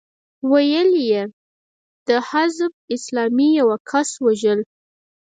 ويې ويل چې د حزب اسلامي د يوه کس وژل.